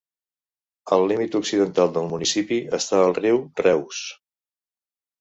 Al límit occidental del municipi està el riu Reuss.